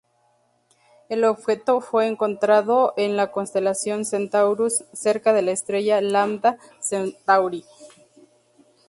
El objeto fue encontrado en la constelación Centaurus, cerca de la estrella Lambda Centauri.